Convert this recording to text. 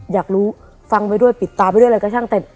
อยากรู้ฟังไปด้วยปิดตาไปด้วยอะไรก็ช่างเต็ม